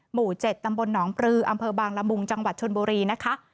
หมู่๗ตำบลหนองปลืออำเภอบางละมุงจังหวัดชนบุรีนะคะ